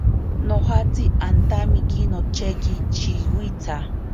Nojatsi antamiki nocheki shiwitsa.